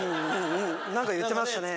何か言ってましたね。